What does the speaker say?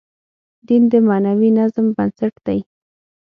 دین د معنوي نظم بنسټ دی.